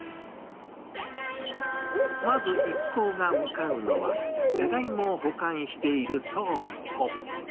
まず一行が向かうのは、ジャガイモを保管している倉庫。